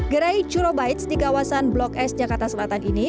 gerai churobites di kawasan blok s jakarta selatan ini